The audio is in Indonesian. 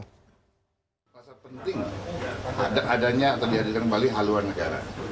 perasaan penting adanya atau diadakan kembali haluan negara